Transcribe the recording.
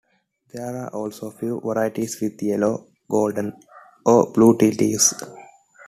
There are also a few varieties with yellow, gold or blue-teal leaves.